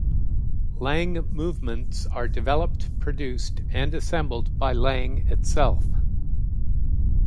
Lange movements are developed, produced, and assembled by Lange itself.